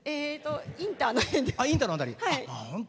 インターの辺です。